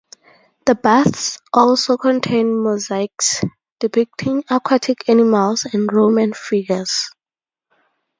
The baths also contain mosaics depicting aquatic animals and Roman figures.